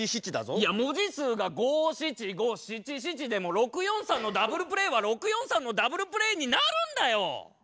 いや文字数が五七五七七でも６４３のダブルプレーは６４３のダブルプレーになるんだよ！